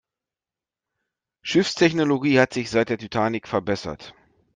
Schiffstechnologie hat sich seit der Titanic verbessert.